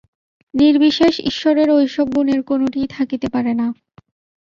নির্বিশেষ ঈশ্বরের এইসব গুণের কোনটিই থাকিতে পারে না।